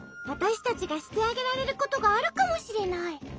わたしたちがしてあげられることがあるかもしれない。